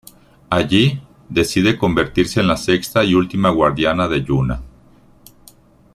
Allí, decide convertirse en la sexta y última guardiana de Yuna.